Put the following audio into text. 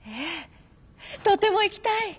とてもいきたい！